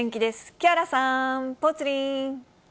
木原さん、ぽつリン。